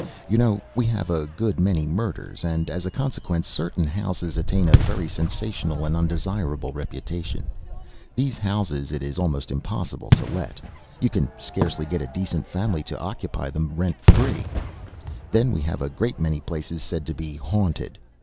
You know we have a good many murders, and, as a consequence, certain houses attain a very sensational and undesirable reputation. These houses it is almost impossible to let; you can scarcely get a decent family to occupy them rent free. Then we have a great many places said to be haunted.